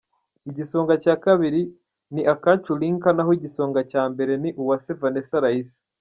Igisonga cya Kabiri ni Akacu Lynca naho igisonga cya mbere ni Uwase Vanessa Raissa.